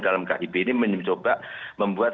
dalam kib ini mencoba membuat